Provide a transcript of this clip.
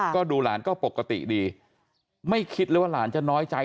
ก็ดูหลานก็ปกติดีไม่คิดเลยว่าหลานจะน้อยใจ